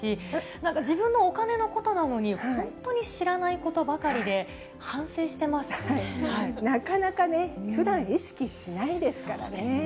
なんか自分のお金のことなのに、本当に知らないことばかりで、なかなかね、ふだん意識しないですからね。